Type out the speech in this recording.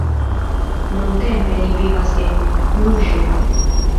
Nuntempe li vivas en Kluĵo.